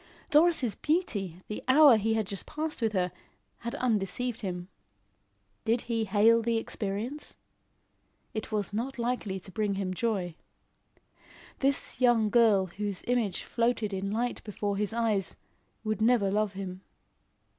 Doris' beauty, the hour he had just passed with her, had undeceived him. Did he hail the experience? It was not likely to bring him joy. This young girl whose image floated in light before his eyes, would never love him.